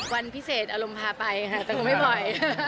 วันพิเศษอารมณ์พาไปตลงไม่บ่อย